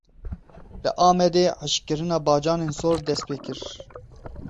Li Amedê hişkkirina bacanên sor dest pê kir.